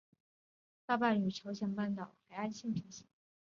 大致与朝鲜半岛南部海岸线平行。